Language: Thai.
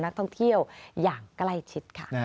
นักท่องเที่ยวอย่างใกล้ชิดค่ะ